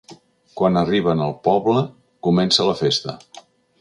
Quan arriben al poble comença la festa.